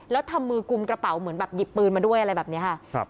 แล้วทำมือกุมกระเป๋าเหมือนแบบหยิบปืนมาด้วยอะไรแบบนี้ค่ะครับ